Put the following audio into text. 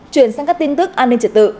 chuyển sang các tin tức an ninh trật tự